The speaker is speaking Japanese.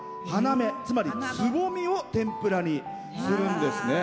つまりつぼみを天ぷらにするんですね。